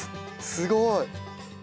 すごい。